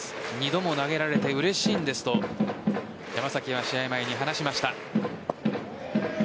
２度も投げられてうれしいんですと山崎は試合前に話しました。